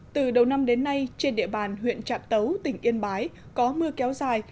từ đầu năm đến nay trên địa bàn huyện trạm tấu tỉnh yên bái có mưa kéo dài